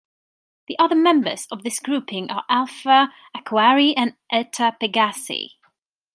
The other members of this grouping are Alpha Aquarii and Eta Pegasi.